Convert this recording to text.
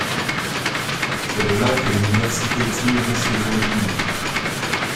C'est de là que l'université tire ses origines.